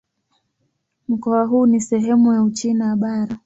Mkoa huu ni sehemu ya Uchina Bara.